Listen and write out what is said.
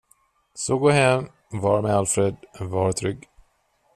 Så gå hem, var med Alfred, var trygg.